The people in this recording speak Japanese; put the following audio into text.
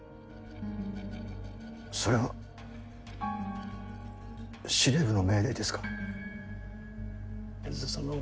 それは司令部の命令ですか？